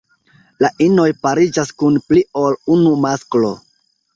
La inoj pariĝas kun pli ol unu masklo.